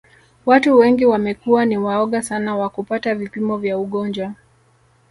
Watu wengi wamekuwa ni waoga sana wa kupata vipimo vya ugonjwa